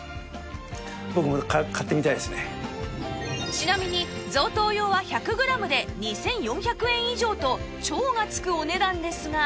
ちなみに贈答用は１００グラムで２４００円以上と「超」が付くお値段ですが